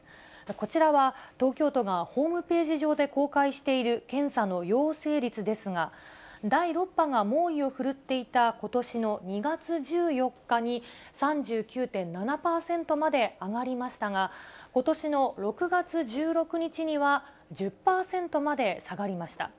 こちらは、東京都がホームページ上で公開している検査の陽性率ですが、第６波が猛威を振るっていたことしの２月１４日に、３９．７％まで上がりましたが、ことしの６月１６日には、１０％まで下がりました。